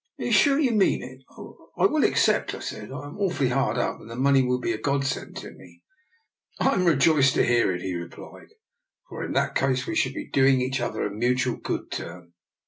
If you are sure you mean it, I will ac cept,*' I said. " I am awfully hard up, and the money will be a godsend to me." " I am rejoiced to hear it," he replied, " for in that case we shall be doing each other a mutual good turn.